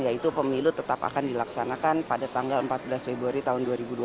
yaitu pemilu tetap akan dilaksanakan pada tanggal empat belas februari tahun dua ribu dua puluh empat